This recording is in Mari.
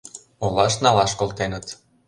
Олаш налаш колтеныт.